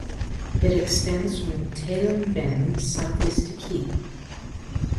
It extends from Tailem Bend southeast to Keith.